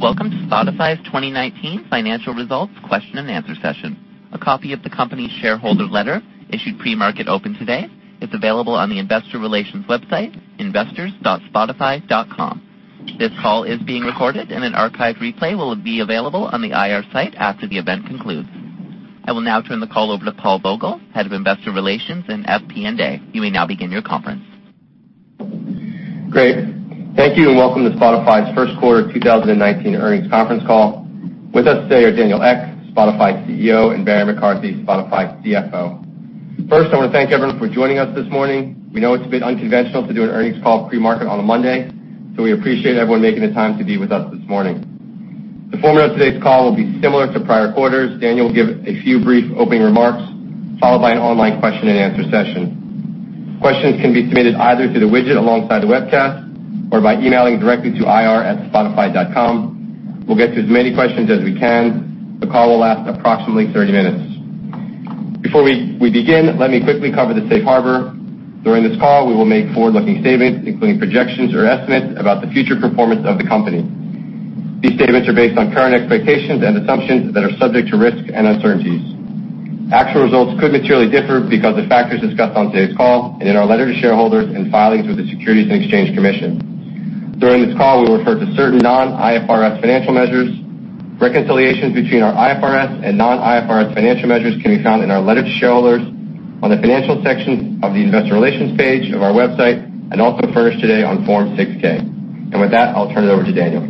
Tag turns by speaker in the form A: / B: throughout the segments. A: Welcome to Spotify's 2019 financial results question and answer session. A copy of the company's shareholder letter, issued pre-market open today, is available on the investor relations website, investors.spotify.com. This call is being recorded and an archive replay will be available on the IR site after the event concludes. I will now turn the call over to Paul Vogel, Head of Investor Relations and FP&A. You may now begin your conference.
B: Great. Thank you, welcome to Spotify's first quarter 2019 earnings conference call. With us today are Daniel Ek, Spotify CEO, and Barry McCarthy, Spotify CFO. First, I want to thank everyone for joining us this morning. We know it's a bit unconventional to do an earnings call pre-market on a Monday, we appreciate everyone making the time to be with us this morning. The format of today's call will be similar to prior quarters. Daniel will give a few brief opening remarks, followed by an online question and answer session. Questions can be submitted either through the widget alongside the webcast or by emailing directly to ir@spotify.com. We'll get to as many questions as we can. The call will last approximately 30 minutes. Before we begin, let me quickly cover the safe harbor. During this call, we will make forward-looking statements, including projections or estimates about the future performance of the company. These statements are based on current expectations and assumptions that are subject to risks and uncertainties. Actual results could materially differ because of factors discussed on today's call and in our letter to shareholders and filings with the Securities and Exchange Commission. During this call, we refer to certain non-IFRS financial measures. Reconciliations between our IFRS and non-IFRS financial measures can be found in our letter to shareholders, on the financial section of the investor relations page of our website, and also furnished today on Form 6-K. With that, I'll turn it over to Daniel.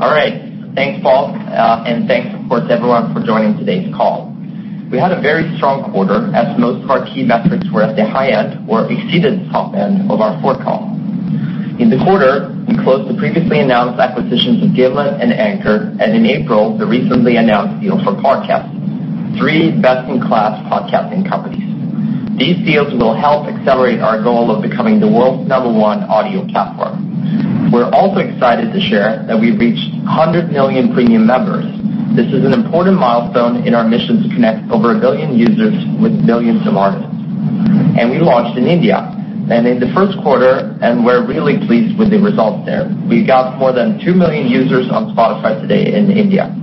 C: All right. Thanks, Paul, and thanks, of course, everyone for joining today's call. We had a very strong quarter as most of our key metrics were at the high end or exceeded the top end of our forecast. In the quarter, we closed the previously announced acquisitions of Gimlet and Anchor, and in April, the recently announced deal for Parcast, three best-in-class podcasting companies. These deals will help accelerate our goal of becoming the world's number one audio platform. We're also excited to share that we've reached 100 million premium members. This is an important milestone in our mission to connect over one billion users with billions of artists. We launched in India, and in the first quarter, and we're really pleased with the results there. We got more than two million users on Spotify today in India.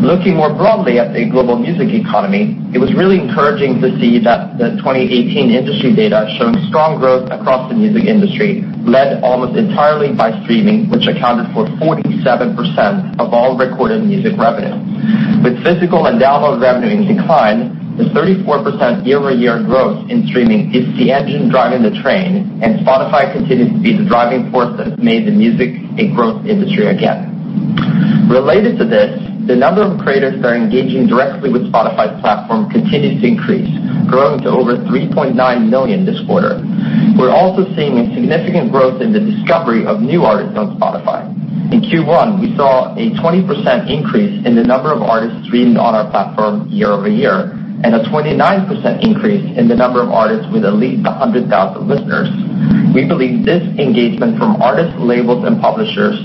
C: Looking more broadly at the global music economy, it was really encouraging to see that the 2018 industry data shown strong growth across the music industry, led almost entirely by streaming, which accounted for 47% of all recorded music revenue. With physical and download revenue in decline, the 34% year-over-year growth in streaming is the engine driving the train, and Spotify continues to be the driving force that has made the music a growth industry again. Related to this, the number of creators that are engaging directly with Spotify's platform continues to increase, growing to over 3.9 million this quarter. We're also seeing a significant growth in the discovery of new artists on Spotify. In Q1, we saw a 20% increase in the number of artists streamed on our platform year-over-year, and a 29% increase in the number of artists with at least 100,000 listeners. We believe this engagement from artists, labels, and publishers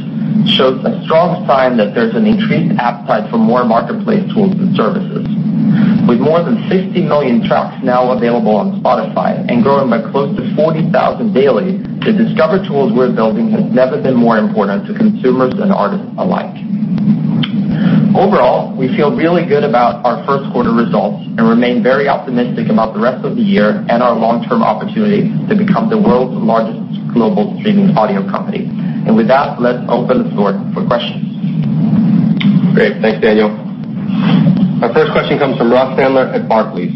C: shows a strong sign that there's an increased appetite for more marketplace tools and services. With more than 60 million tracks now available on Spotify and growing by close to 40,000 daily, the discover tools we're building has never been more important to consumers and artists alike. Overall, we feel really good about our first quarter results and remain very optimistic about the rest of the year and our long-term opportunity to become the world's largest global streaming audio company. With that, let's open the floor for questions.
B: Great. Thanks, Daniel. Our first question comes from Ross Sandler at Barclays.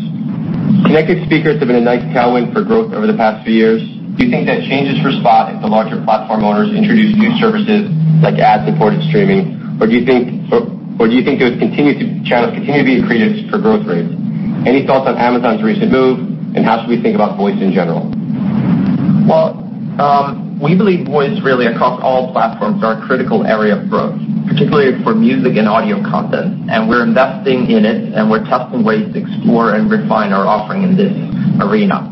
B: "Connected speakers have been a nice tailwind for growth over the past few years. Do you think that changes for Spotify if the larger platform owners introduce new services like ad-supported streaming, or do you think those channels continue to be accretive for growth rates? Any thoughts on Amazon's recent move, and how should we think about voice in general?
C: Well, we believe voice really across all platforms are a critical area of growth, particularly for music and audio content, and we're investing in it, and we're testing ways to explore and refine our offering in this arena.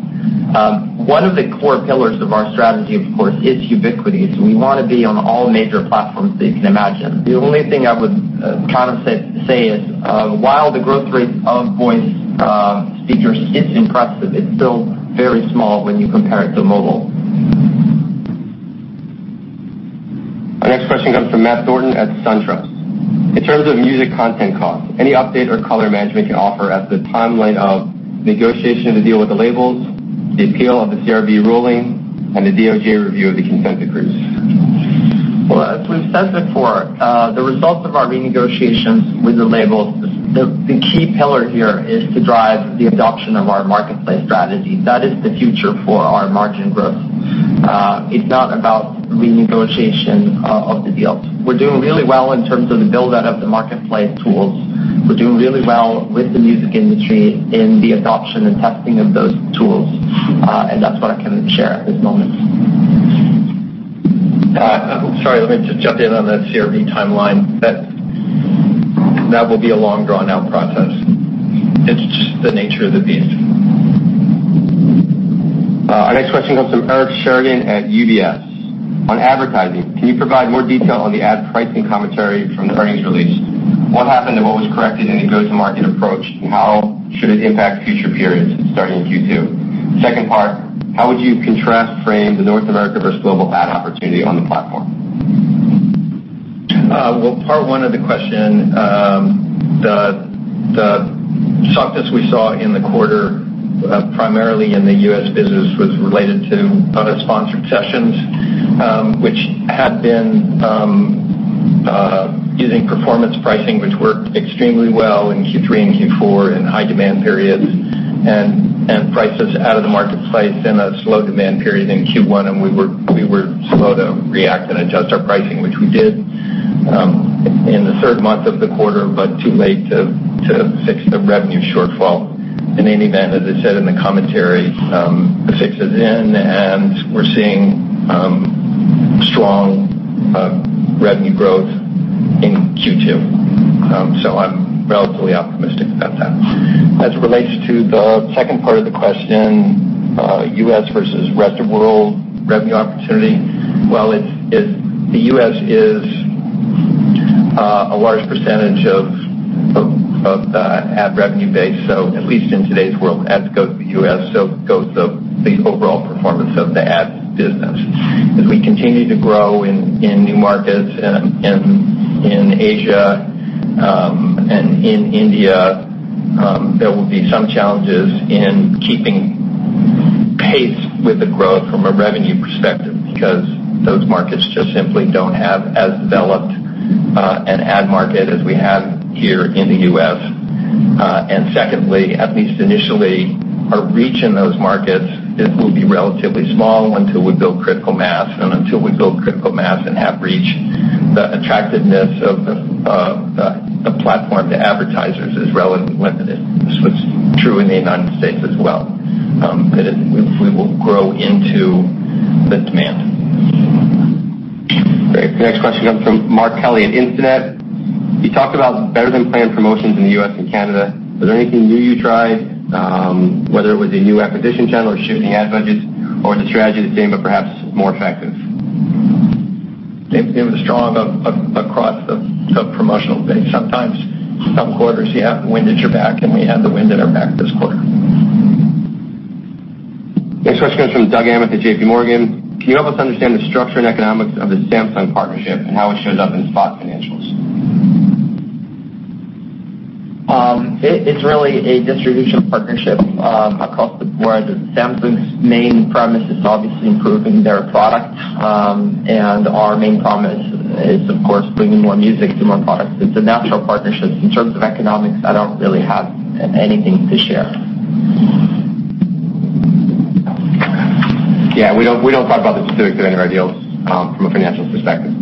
C: One of the core pillars of our strategy, of course, is ubiquity, so we want to be on all major platforms that you can imagine. The only thing I would kind of say is, while the growth rate of voice speakers is impressive, it's still very small when you compare it to mobile.
B: Our next question comes from Matthew Thornton at SunTrust. In terms of music content cost, any update or color management can offer as the timeline of negotiation to deal with the labels, the appeal of the CRB ruling, and the DOJ review of the consent decrees?
C: Well, as we've said before, the results of our renegotiations with the labels, the key pillar here is to drive the adoption of our marketplace strategy. That is the future for our margin growth. It's not about renegotiation of the deals. We're doing really well in terms of the build-out of the marketplace tools. We're doing really well with the music industry in the adoption and testing of those tools. That's what I can share at this moment.
D: Sorry, let me just jump in on the CRB timeline, that will be a long, drawn-out process. It's the nature of the beast.
B: Our next question comes from Eric Sheridan at UBS. On advertising, can you provide more detail on the ad pricing commentary from the earnings release? What happened and what was corrected in the go-to-market approach, and how should it impact future periods starting in Q2? Second part, how would you contrast frame the North America versus global ad opportunity on the platform?
D: Part one of the question, the softness we saw in the quarter, primarily in the U.S. business, was related to Sponsored Sessions, which had been using performance pricing, which worked extremely well in Q3 and Q4 in high-demand periods. Prices out of the marketplace in a slow demand period in Q1, and we were slow to react and adjust our pricing, which we did in the third month of the quarter, but too late to fix the revenue shortfall. In any event, as I said in the commentary, the fix is in, and we're seeing strong revenue growth in Q2. I'm relatively optimistic about that. As it relates to the second part of the question, U.S. versus rest of world revenue opportunity. The U.S. is a large percentage of the ad revenue base, so at least in today's world, as goes the U.S., so goes the overall performance of the ad business. As we continue to grow in new markets and in Asia and in India, there will be some challenges in keeping pace with the growth from a revenue perspective because those markets just simply don't have as developed an ad market as we have here in the U.S. Secondly, at least initially, our reach in those markets, it will be relatively small until we build critical mass. Until we build critical mass and ad reach, the attractiveness of the platform to advertisers is relatively limited, which was true in the United States as well. We will grow into the demand.
B: Great. The next question comes from Mark Mahaney at Instinet. You talked about better-than-planned promotions in the U.S. and Canada. Was there anything new you tried, whether it was a new acquisition channel or shifting ad budgets, or was the strategy the same but perhaps more effective?
D: It was strong across the promotional base. Sometimes some quarters, you have the wind at your back, and we had the wind at our back this quarter.
B: Next question comes from Doug Anmuth at J.P. Morgan. Can you help us understand the structure and economics of the Samsung partnership and how it shows up in Spotify financials?
C: It's really a distribution partnership across the board. Samsung's main premise is obviously improving their product. Our main promise is, of course, bringing more music to more products. It's a natural partnership. In terms of economics, I don't really have anything to share.
B: Yeah, we don't talk about the specifics of any of our deals from a financial perspective.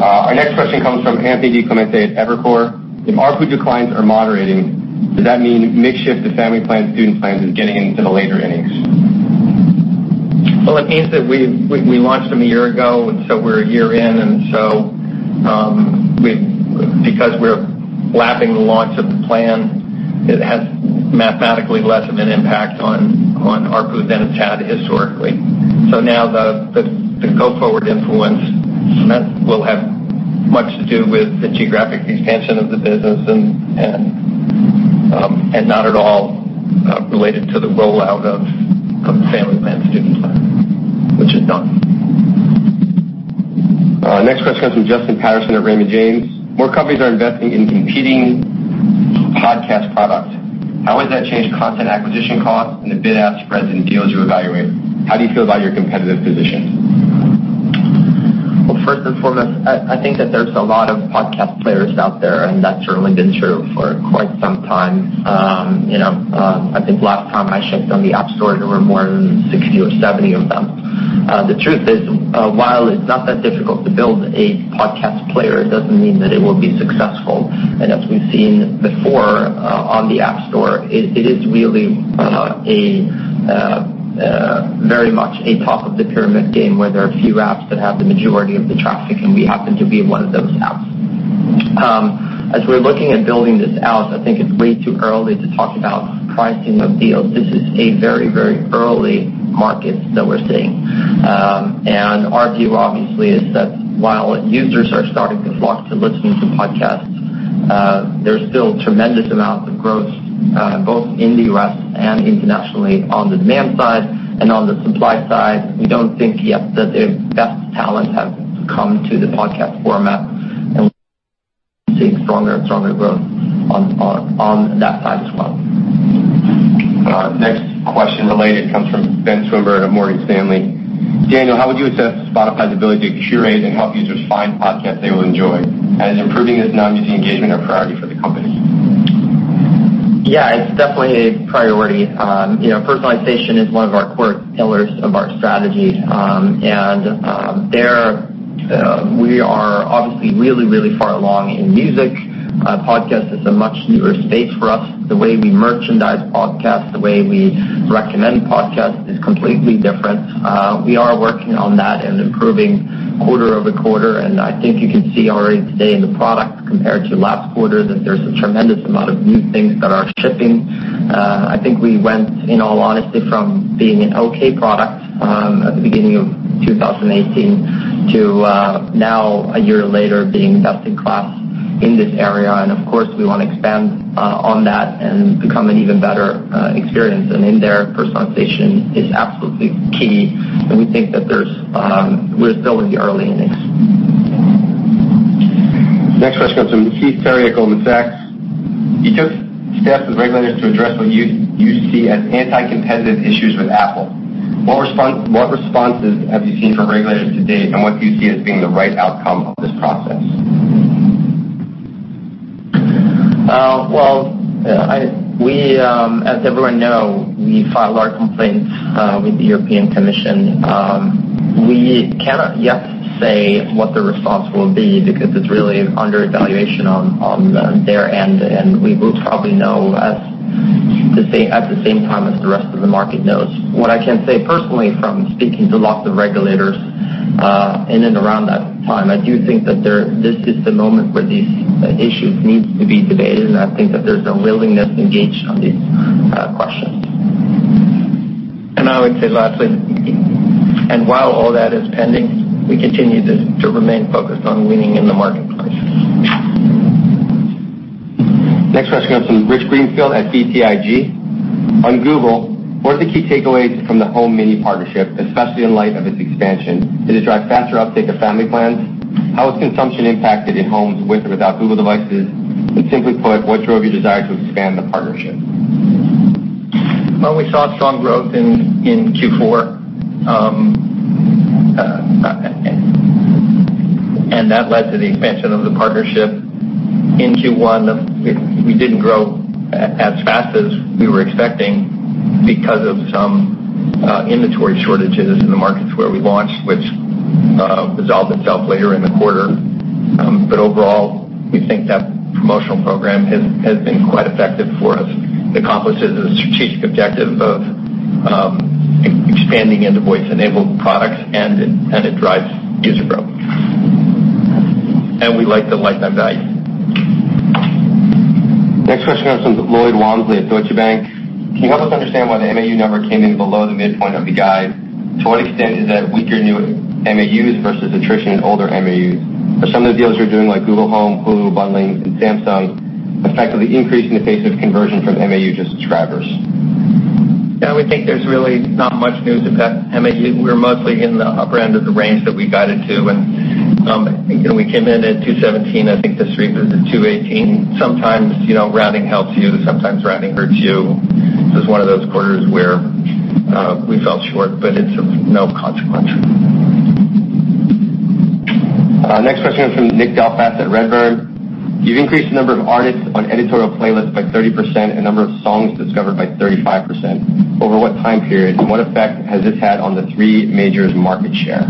B: Our next question comes from Anthony DiClemente at Evercore. If ARPU declines are moderating, does that mean mix shift to family plans, student plans is getting into the later innings?
D: Well, it means that we launched them a year ago, and so we're a year in. Because we're lapping the launch of the plan, it has mathematically less of an impact on ARPU than it's had historically. Now the go-forward influence will have much to do with the geographic expansion of the business and not at all related to the rollout of the family plan, student plan, which is done.
B: Next question comes from Justin Patterson at Raymond James. More companies are investing in competing podcast products. How has that changed content acquisition costs and the bid-ask spreads in deals you evaluate? How do you feel about your competitive position?
C: Well, first and foremost, I think that there's a lot of podcast players out there, and that's certainly been true for quite some time. I think last time I checked on the App Store, there were more than 60 or 70 of them. The truth is, while it's not that difficult to build a podcast player, it doesn't mean that it will be successful. As we've seen before on the App Store, it is really very much a top-of-the-pyramid game where there are a few apps that have the majority of the traffic, and we happen to be one of those apps. As we're looking at building this out, I think it's way too early to talk about pricing of deals. This is a very, very early market that we're seeing. Our view obviously is that while users are starting to flock to listening to podcasts, there's still tremendous amounts of growth both in the U.S. and internationally on the demand side and on the supply side. We don't think yet that the best talent has come to the podcast format and see stronger and stronger growth on that side as well.
B: Next question related comes from Benjamin Swinburne at Morgan Stanley. Daniel, how would you assess Spotify's ability to curate and help users find podcasts they will enjoy? Is improving this non-music engagement a priority for the company?
C: Yeah, it's definitely a priority. Personalization is one of our core pillars of our strategy. We are obviously really, really far along in music. Podcast is a much newer space for us. The way we merchandise podcasts, the way we recommend podcasts is completely different. We are working on that and improving quarter-over-quarter. I think you can see already today in the product compared to last quarter that there's a tremendous amount of new things that are shipping. I think I went, in all honesty, from being an okay product at the beginning of 2018 to now, a year later, being best-in-class in this area. Of course, we want to expand on that and become an even better experience. In there, personalization is absolutely key. We think that we're still in the early innings.
B: Next question comes from Heath Terry at Goldman Sachs. You took steps with regulators to address what you see as anti-competitive issues with Apple. What responses have you seen from regulators to date? What do you see as being the right outcome of this process?
C: Well, as everyone knows, we filed our complaints with the European Commission. We cannot yet say what the response will be because it's really under evaluation on their end. We will probably know at the same time as the rest of the market knows. What I can say personally from speaking to lots of regulators in and around that time, I do think that this is the moment where these issues need to be debated. I think that there's a willingness to engage on these questions.
D: I would say lastly, while all that is pending, we continue to remain focused on winning in the marketplace.
B: Next question comes from Rich Greenfield at BTIG. On Google, what are the key takeaways from the Home Mini partnership, especially in light of its expansion? Did it drive faster uptake of family plans? How is consumption impacted in homes with or without Google devices? Simply put, what drove your desire to expand the partnership?
D: Well, we saw strong growth in Q4, that led to the expansion of the partnership. In Q1, we didn't grow as fast as we were expecting because of some inventory shortages in the markets where we launched, which resolved itself later in the quarter. Overall, we think that promotional program has been quite effective for us. It accomplishes the strategic objective of expanding into voice-enabled products, it drives user growth. We like the lifetime value.
B: Next question comes from Lloyd Walmsley at Deutsche Bank. Can you help us understand why the MAU number came in below the midpoint of the guide? To what extent is that weaker new MAUs versus attrition in older MAUs? Are some of the deals you're doing like Google Home, Hulu bundling, and Samsung effectively increasing the pace of conversion from MAU to subscribers?
D: Yeah, we think there's really not much news with that MAU. We're mostly in the upper end of the range that we guided to, I think we came in at 217. I think the street was at 218. Sometimes rounding helps you, sometimes rounding hurts you. This was one of those quarters where we fell short, it's of no consequence.
B: Next question is from Nick Delfas at Redburn. You've increased the number of artists on editorial playlists by 30% and number of songs discovered by 35%. Over what time period, and what effect has this had on the three majors' market share?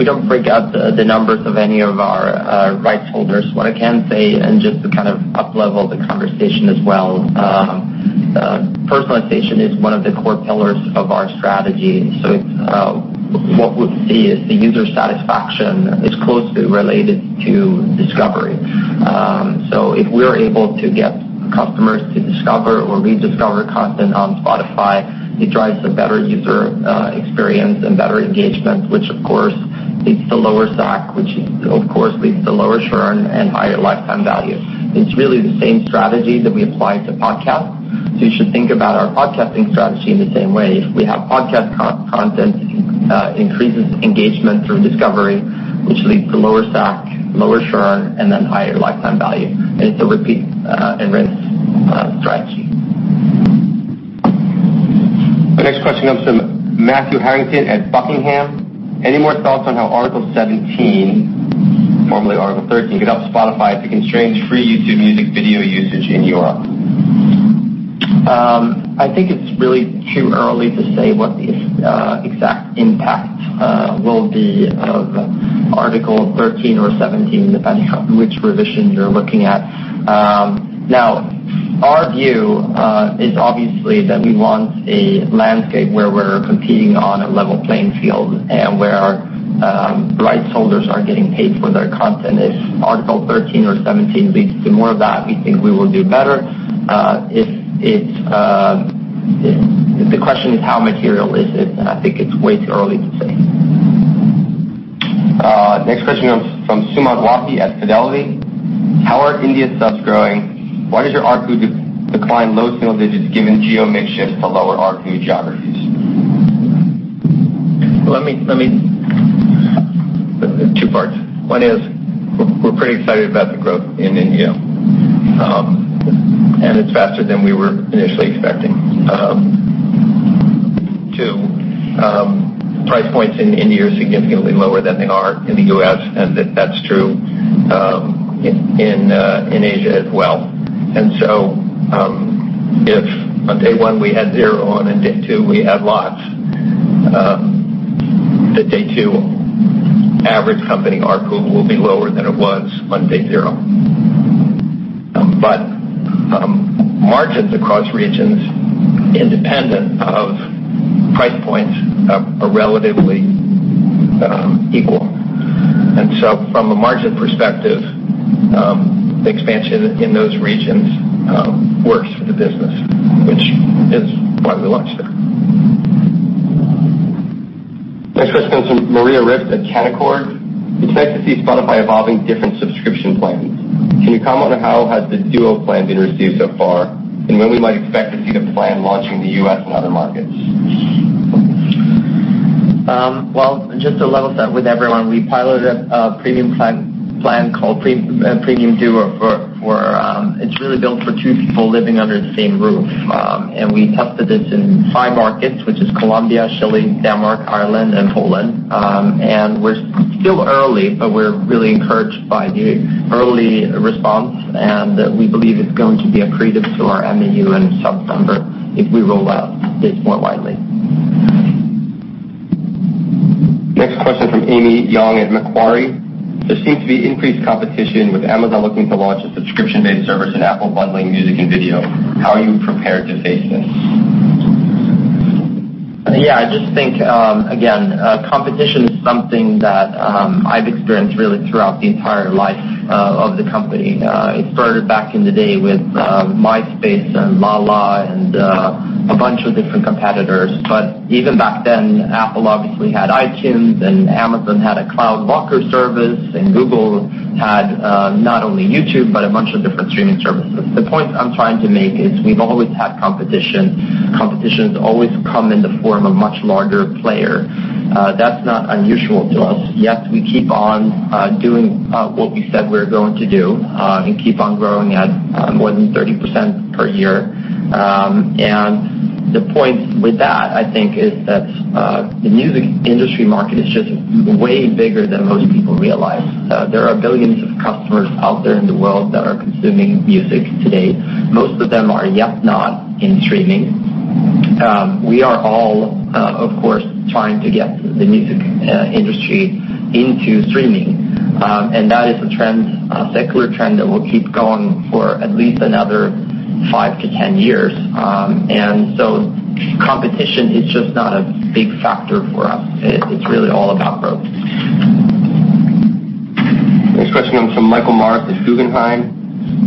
C: We don't break out the numbers of any of our rights holders. What I can say, and just to up-level the conversation as well, personalization is one of the core pillars of our strategy. What we see is the user satisfaction is closely related to discovery. If we're able to get customers to discover or rediscover content on Spotify, it drives a better user experience and better engagement, which of course leads to lower SAC, which of course leads to lower churn and higher lifetime value. It's really the same strategy that we apply to podcasts. You should think about our podcasting strategy in the same way. If we have podcast content, it increases engagement through discovery, which leads to lower SAC, lower churn, and then higher lifetime value. It's a repeat and rinse strategy.
B: The next question comes from Matthew Harrington at Buckingham. Any more thoughts on how Article 17, formerly Article 13, could help Spotify to constrain free YouTube music video usage in Europe?
C: I think it's really too early to say what the exact impact will be of Article 13 or 17, depending on which revision you're looking at. Now, our view is obviously that we want a landscape where we're competing on a level playing field, and where our rights holders are getting paid for their content. If Article 13 or 17 leads to more of that, we think we will do better. The question is how material is it, and I think it's way too early to say.
B: Next question comes from Sumant Wahi at Fidelity. How are India subs growing? Why does your ARPU decline low single digits given geo mix shift to lower ARPU geographies?
D: Two parts. One is we're pretty excited about the growth in India. It's faster than we were initially expecting. Two, price points in India are significantly lower than they are in the U.S., and that's true in Asia as well. If on day one we had zero and on day two we had lots, the day two average company ARPU will be lower than it was on day zero. Margins across regions, independent of price points, are relatively equal. From a margin perspective, the expansion in those regions works for the business, which is why we launched there.
B: Next question comes from Maria Ripps at Canaccord. We expect to see Spotify evolving different subscription plans. Can you comment on how has the Duo plan been received so far, and when we might expect to see the plan launch in the U.S. and other markets?
C: Well, just to level set with everyone, we piloted a premium plan called Premium Duo. It's really built for two people living under the same roof. We tested this in five markets, which is Colombia, Chile, Denmark, Ireland, and Poland. We're still early, but we're really encouraged by the early response, and we believe it's going to be accretive to our MAU and sub number if we roll out this more widely.
B: Next question from Amy Yong at Macquarie. There seems to be increased competition with Amazon looking to launch a subscription-based service and Apple bundling music and video. How are you prepared to face this?
C: I just think, again, competition is something that I've experienced really throughout the entire life of the company. It started back in the day with Myspace and Lala and a bunch of different competitors. Even back then, Apple obviously had iTunes, and Amazon had a cloud locker service, and Google had not only YouTube, but a bunch of different streaming services. The point I'm trying to make is we've always had competition. Competition's always come in the form of much larger player. That's not unusual to us. Yet we keep on doing what we said we were going to do and keep on growing at more than 30% per year. The point with that, I think, is that the music industry market is just way bigger than most people realize. There are billions of customers out there in the world that are consuming music today. Most of them are yet not in streaming. We are all, of course, trying to get the music industry into streaming. That is a secular trend that will keep going for at least another five to 10 years. Competition is just not a big factor for us. It's really all about growth.
B: Next question comes from Michael Morris at Guggenheim.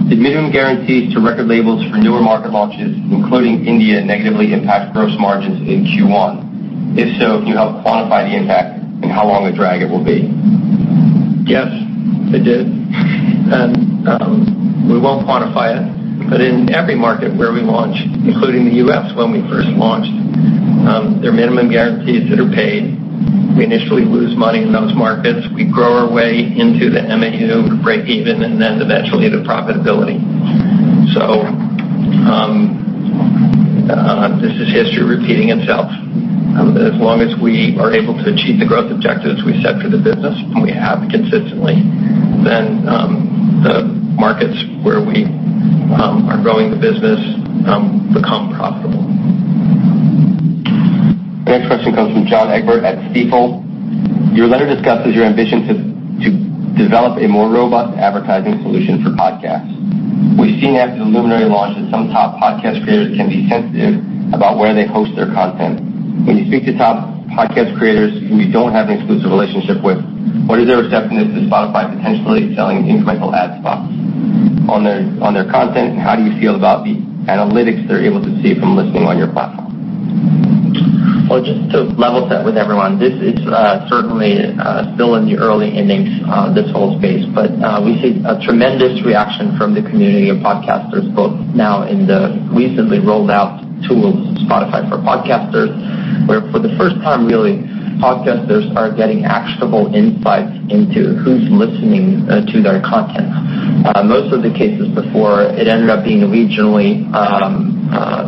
B: Did minimum guarantees to record labels for newer market launches, including India, negatively impact gross margins in Q1? If so, can you help quantify the impact and how long a drag it will be?
D: Yes, it did. We won't quantify it. In every market where we launch, including the U.S. when we first launched, there are minimum guarantees that are paid. We initially lose money in those markets. We grow our way into the MAU to break even, and then eventually, to profitability. This is history repeating itself. As long as we are able to achieve the growth objectives we set for the business, and we have consistently, then the markets where we are growing the business become profitable.
B: The next question comes from John Egbert at Stifel. Your letter discusses your ambition to develop a more robust advertising solution for podcasts. We've seen after the Luminary launch that some top podcast creators can be sensitive about where they host their content. When you speak to top podcast creators who we don't have an exclusive relationship with, what is their acceptance to Spotify potentially selling incremental ad spots on their content, and how do you feel about the analytics they're able to see from listening on your platform?
C: Well, just to level set with everyone, this is certainly still in the early innings, this whole space. We see a tremendous reaction from the community of podcasters, both now in the recently rolled-out tools, Spotify for Podcasters, where for the first time, really, podcasters are getting actionable insights into who's listening to their content. Most of the cases before, it ended up being regionally,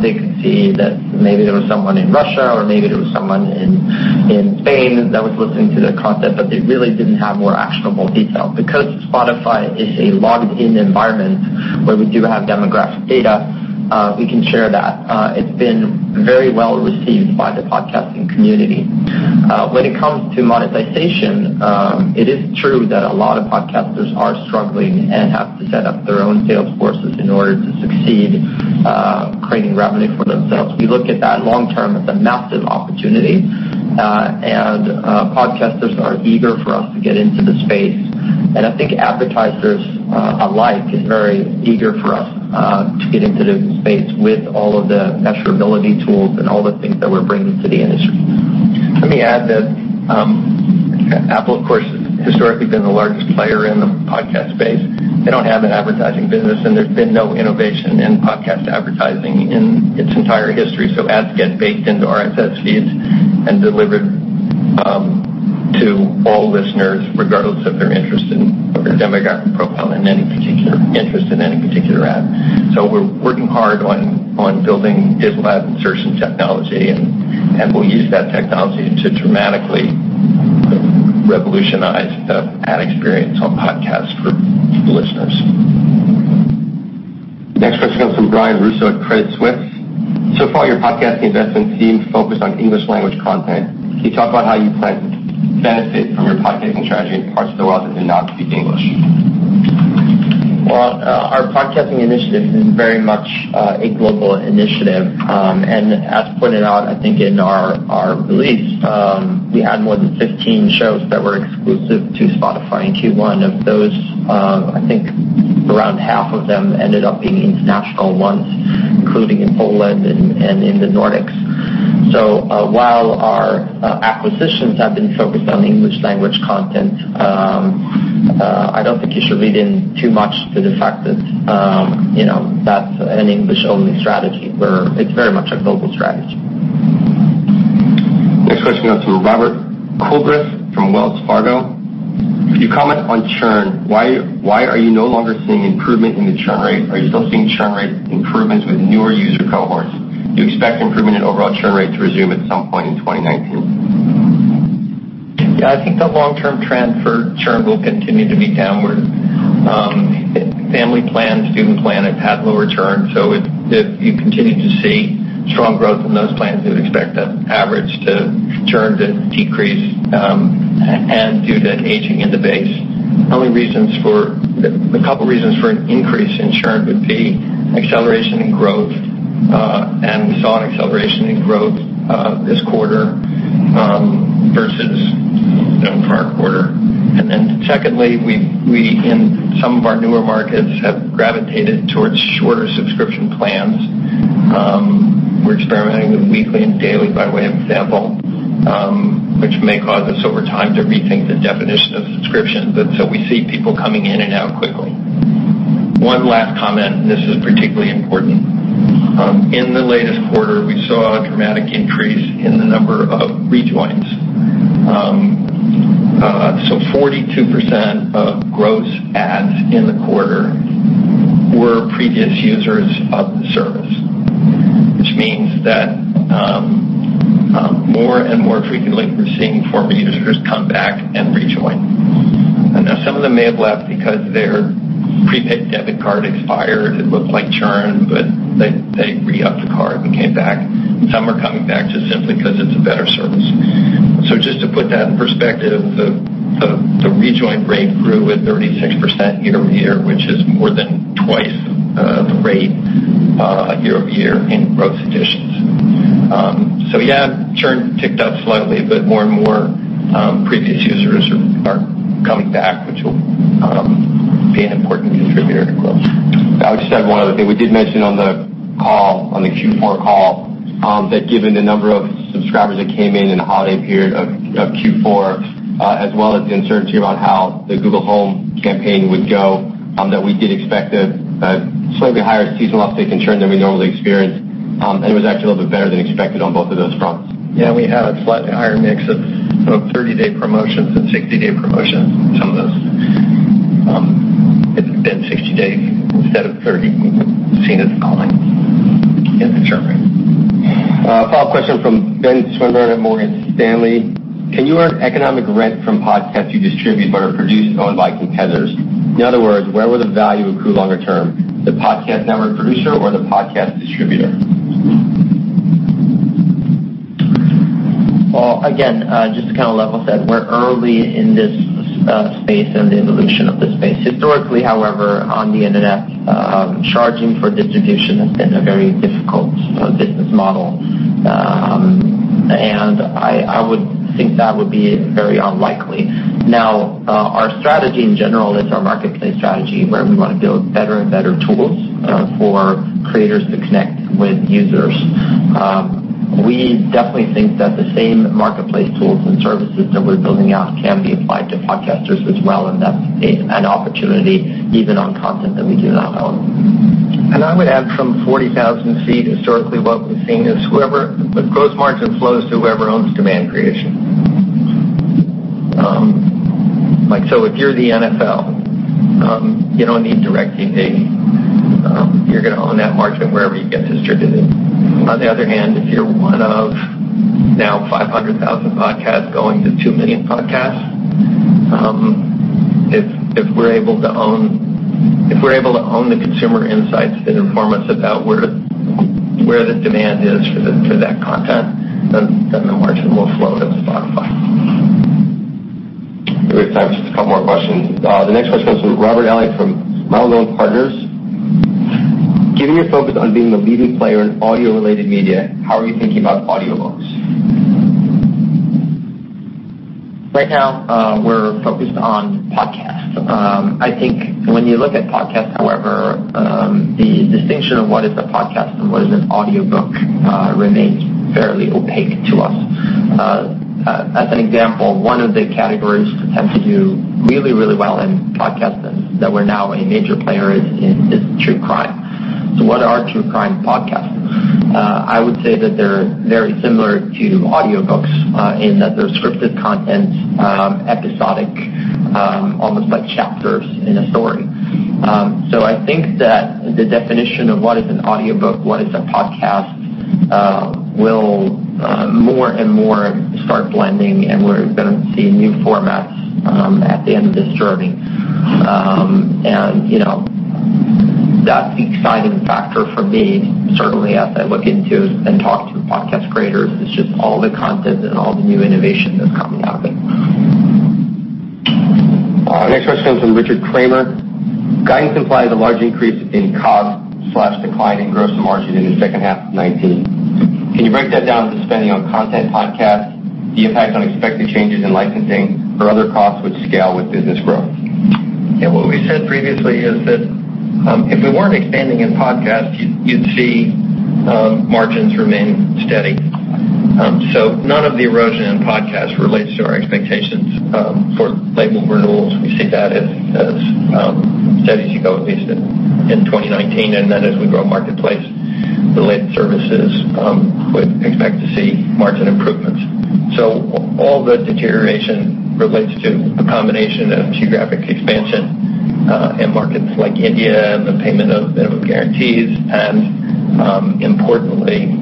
C: they could see that maybe there was someone in Russia or maybe there was someone in Spain that was listening to their content, but they really didn't have more actionable detail. Because Spotify is a logged-in environment where we do have demographic data, we can share that. It's been very well received by the podcasting community. When it comes to monetization, it is true that a lot of podcasters are struggling and have to set up their own sales forces in order to succeed creating revenue for themselves. We look at that long-term as a massive opportunity, podcasters are eager for us to get into the space. I think advertisers alike is very eager for us to get into the space with all of the measurability tools and all the things that we're bringing to the industry.
D: Let me add that Apple, of course, has historically been the largest player in the podcast space. They don't have an advertising business, and there's been no innovation in podcast advertising in its entire history, ads get baked into RSS feeds and delivered to all listeners, regardless of their interest in, or their demographic profile in any particular interest in any particular ad. We're working hard on building digital ad insertion technology, and we'll use that technology to dramatically revolutionize the ad experience on podcasts for listeners.
B: Next question comes from Brian Russo at Credit Suisse. So far, your podcasting investment seems focused on English language content. Can you talk about how you plan to benefit from your podcasting strategy in parts of the world that do not speak English?
C: Well, our podcasting initiative is very much a global initiative. As pointed out, I think in our release. We had more than 15 shows that were exclusive to Spotify in Q1. Of those, I think around half of them ended up being international ones, including in Poland and in the Nordics. While our acquisitions have been focused on English language content, I don't think you should read in too much to the fact that that's an English-only strategy. It's very much a global strategy.
B: Next question goes to Robert Coolbrith from Wells Fargo. Can you comment on churn? Why are you no longer seeing improvement in the churn rate? Are you still seeing churn rate improvements with newer user cohorts? Do you expect improvement in overall churn rate to resume at some point in 2019?
D: I think the long-term trend for churn will continue to be downward. Family plans, student plan have had lower churn. If you continue to see strong growth in those plans, we'd expect the average churn to decrease, due to aging in the base. The couple reasons for an increase in churn would be acceleration in growth. We saw an acceleration in growth this quarter versus the prior quarter. Secondly, we, in some of our newer markets, have gravitated towards shorter subscription plans. We're experimenting with weekly and daily, by way of example, which may cause us over time to rethink the definition of subscription. We see people coming in and out quickly. One last comment. This is particularly important. In the latest quarter, we saw a dramatic increase in the number of rejoins. 42% of gross adds in the quarter were previous users of the service, which means that more and more frequently, we're seeing former users come back and rejoin. Now some of them may have left because their prepaid debit card expired. It looked like churn, but they re-up the card and came back. Some are coming back just simply because it's a better service. Just to put that in perspective, the rejoin rate grew at 36% year-over-year, which is more than twice the rate year-over-year in growth additions. Yeah, churn ticked up slightly, but more and more previous users are coming back, which will be an important contributor to growth.
C: I'll just add one other thing. We did mention on the Q4 call, that given the number of subscribers that came in the holiday period of Q4, as well as the uncertainty about how the Google Home campaign would go, that we did expect a slightly higher seasonal uptick in churn than we normally experience. It was actually a little bit better than expected on both of those fronts.
D: We have a slightly higher mix of 30-day promotions and 60-day promotions. Some of those, if it's been 60 days instead of 30, we've seen it decline in the churn rate.
B: Follow-up question from Benjamin Swinburne at Morgan Stanley. "Can you earn economic rent from podcasts you distribute but are produced and owned by competitors? In other words, where will the value accrue longer term: the podcast network producer or the podcast distributor?
C: Well, again, just to kind of level set, we're early in this space and the evolution of this space. Historically, however, on the internet, charging for distribution has been a very difficult business model. I would think that would be very unlikely. Now, our strategy in general is our marketplace strategy, where we want to build better and better tools for creators to connect with users. We definitely think that the same marketplace tools and services that we're building out can be applied to podcasters as well, that's an opportunity, even on content that we do not own.
D: I would add from 40,000 feet, historically, what we've seen is the gross margin flows to whoever owns demand creation. If you're the NFL, you don't need direct PPV. You're going to own that margin wherever you get distributed. On the other hand, if you're one of now 500,000 podcasts going to 2 million podcasts, if we're able to own the consumer insights that inform us about where the demand is for that content, the margin will flow to Spotify.
B: We have time for just a couple more questions. The next question comes from Robert Elia from Malone Partners. "Given your focus on being a leading player in audio-related media, how are you thinking about audiobooks?
C: Right now, we're focused on podcasts. I think when you look at podcasts, however, the distinction of what is a podcast and what is an audiobook remains fairly opaque to us. As an example, one of the categories that has to do really, really well in podcasting, that we're now a major player in, is true crime. What are true crime podcasts? I would say that they're very similar to audiobooks in that they're scripted content, episodic, almost like chapters in a story. I think that the definition of what is an audiobook, what is a podcast, will more and more start blending, and we're going to see new formats at the end of this journey. That exciting factor for me, certainly as I look into and talk to podcast creators, is just all the content and all the new innovation that's coming out there.
B: Next question comes from Richard Kramer: guidance implies a large increase in cost/decline in gross margin in the second half of 2019. Can you break that down to spending on content podcasts, the impact on expected changes in licensing or other costs which scale with business growth?
D: Yeah. What we said previously is that if we weren't expanding in podcasts, you'd see margins remain steady. None of the erosion in podcasts relates to our expectations for label renewals. We see that as steady as you go, at least in 2019, and then as we grow marketplace-related services, we'd expect to see margin improvements. All the deterioration relates to a combination of geographic expansion, in markets like India and the payment of minimum guarantees and,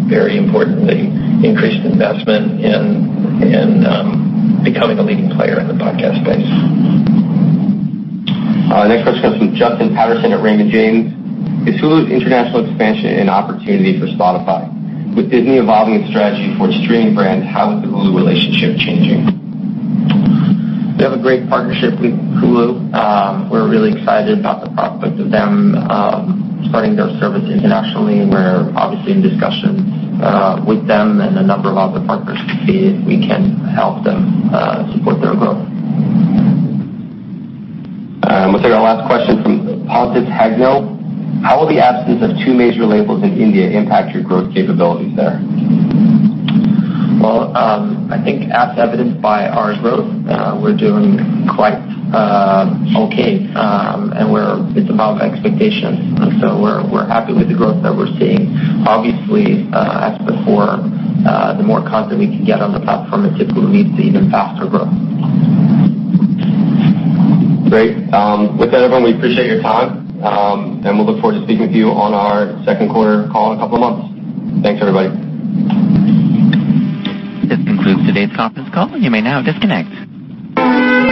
D: very importantly, increased investment in becoming a leading player in the podcast space.
B: Next question comes from Justin Patterson at Raymond James: Is Hulu's international expansion an opportunity for Spotify? With Disney evolving its strategy for its streaming brand, how is the Hulu relationship changing?
C: We have a great partnership with Hulu. We're really excited about the prospect of them starting their service internationally, and we're obviously in discussions with them and a number of other partners to see if we can help them support their growth.
B: We'll take our last question from Paul de Hagnell: How will the absence of two major labels in India impact your growth capabilities there?
C: Well, I think as evidenced by our growth, we're doing quite okay, and it's above expectations, so we're happy with the growth that we're seeing. Obviously, as before, the more content we can get on the platform is typically going to lead to even faster growth.
B: Great. With that, everyone, we appreciate your time, and we look forward to speaking with you on our second quarter call in a couple of months. Thanks, everybody.
A: This concludes today's conference call. You may now disconnect.